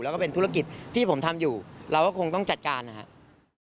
แล้วก็เป็นธุรกิจที่ผมทำอยู่เราก็คงต้องจัดการนะครับ